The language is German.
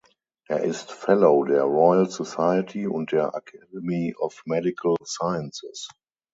Er ist Fellow der Royal Society und der Academy of Medical Sciences.